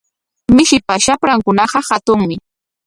Mishipa shaprankunaqa hatunmi.